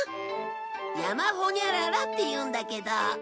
山ホニャララって言うんだけど。